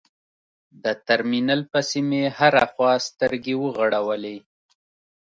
د ترمینل پسې مې هره خوا سترګې وغړولې.